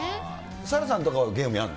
サラさんとかはゲームやるの？